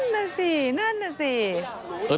นั่นแหละสินั่นแหละสิ